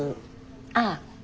ああ。